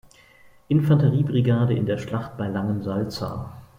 Infanterie-Brigade in der Schlacht bei Langensalza.